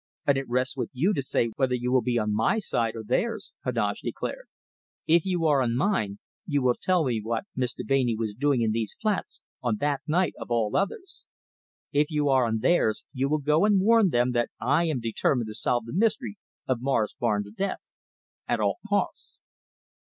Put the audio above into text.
And it rests with you to say whether you will be on my side or theirs," Heneage declared. "If you are on mine, you will tell me what Miss Deveney was doing in these flats on that night of all others. If you are on theirs, you will go and warn them that I am determined to solve the mystery of Morris Barnes' death at all costs."